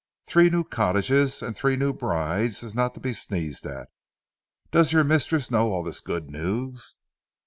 Three new cottages and three new brides is not to be sneezed at! Does your mistress know all this good news?"